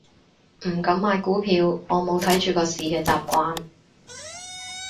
唔敢買股票，我冇睇住個市嘅習慣